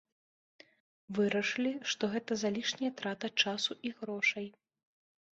Вырашылі, што гэта залішняя трата часу і грошай.